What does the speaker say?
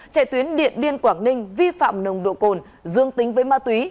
chạy tuyến điện biên quảng ninh vi phạm nồng độ cồn dương tính với ma túy